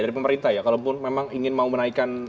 dari pemerintah ya kalaupun memang ingin mau menaikkan